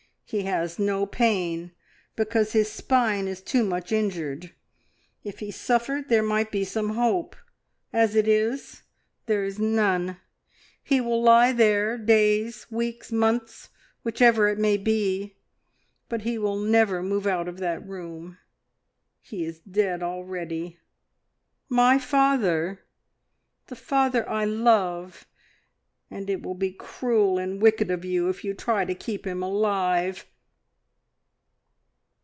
He has no pain because his spine is too much injured. If he suffered, there might be some hope; as it is, there is none. He will lie there days, weeks, months, whichever it may be, but he will never move out of that room. He is dead already, my father, the father I love, and it will be cruel and wicked of you if you try to keep him alive!"